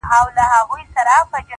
داسې په نه خبره نه خبره هيڅ مه کوه~